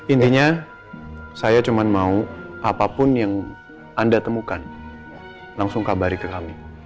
intinya saya cuma mau apapun yang anda temukan langsung kabari ke kami